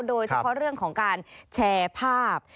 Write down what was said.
โดยเฉพาะเรื่องของการแชร์ภาพ